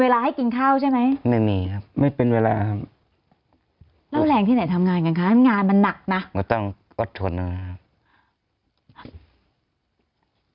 แล้วแรงที่ไหนทำงานกันคะทำงานมันนักน่ะไม่ต้องอดทนนะครับ